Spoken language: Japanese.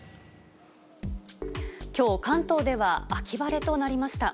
きょう、関東では秋晴れとなりました。